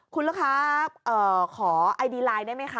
คุณลูกค้าขอไอดีไลน์ได้ไหมคะ